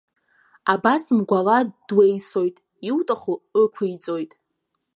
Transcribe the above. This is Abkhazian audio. Абас мгәала дуеисоит, иуҭаху ықәиҵоит.